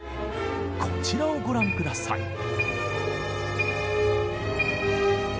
こちらをご覧ください。